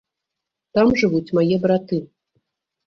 Там жывуць мае браты.